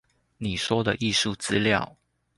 你說的藝術資料